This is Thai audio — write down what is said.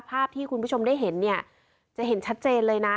ภาพที่คุณผู้ชมได้เห็นเนี่ยจะเห็นชัดเจนเลยนะ